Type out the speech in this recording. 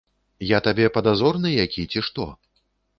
Я табе падазроны які ці што?